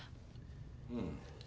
うん。